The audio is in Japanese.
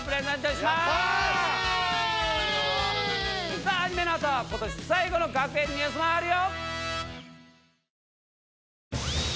さあアニメのあとは今年最後の学園ニュースもあるよ。